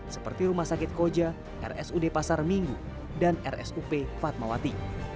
seperti rumah sakit koja rsud pasar minggu dan rsup fatmawati